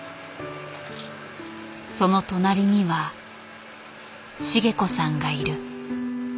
その隣には茂子さんがいる。